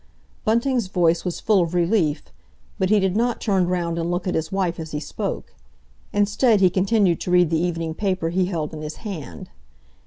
Bunting's voice was full of relief, but he did not turn round and look at his wife as he spoke; instead, he continued to read the evening paper he held in his hand.